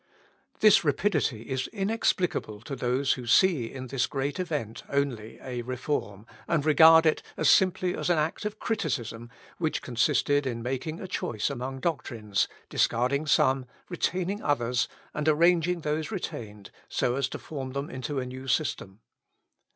This rapidity is inexplicable to those who see, in this great event, only a reform, and regard it as simply an act of criticism, which consisted in making a choice among doctrines, discarding some, retaining others, and arranging those retained, so as to form them into a new system.